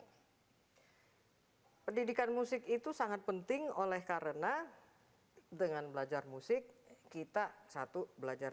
hai pendidikan musik itu sangat penting oleh karena dengan belajar musik kita satu belajar